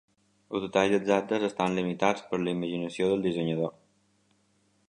Els detalls exactes estan limitats per la imaginació del dissenyador.